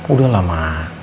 udah lah ma